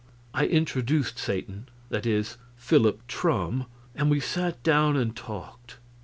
I introduced Satan that is, Philip Traum and we sat down and talked.